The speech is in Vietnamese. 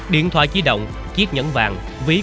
điện thoại chí động chiếc nhẫn vàng